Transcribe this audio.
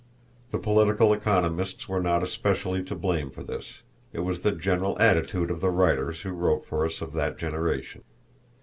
The political economists were not especially to blame for this; it was the general attitude of the writers who wrote for us of that generation.